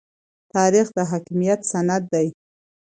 تاریخ د حاکمیت سند دی.